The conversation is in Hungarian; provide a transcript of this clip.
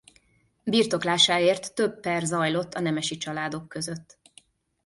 Birtoklásáért több per zajlott a nemesi családok között.